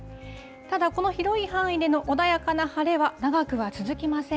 ただこの広い範囲での穏やかな晴れは長くは続きません。